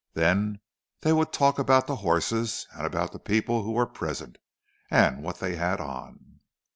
Then they would talk about the horses, and about the people who were present, and what they had on.